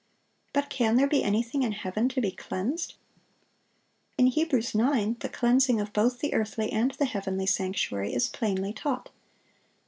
But can there be anything in heaven to be cleansed? In Hebrews 9 the cleansing of both the earthly and the heavenly sanctuary is plainly taught.